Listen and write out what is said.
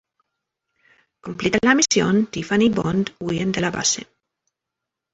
Cumplida la misión Tiffany y Bond huyen de la base.